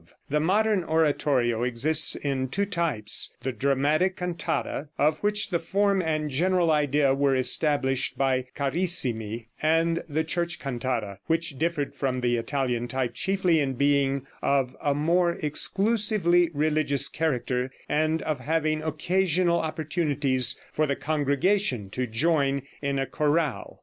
The modern oratorio exists in two types: The dramatic cantata, of which the form and general idea were established by Carissimi; and the church cantata, which differed from the Italian type chiefly in being of a more exclusively religious character, and of having occasional opportunities for the congregation to join in a chorale.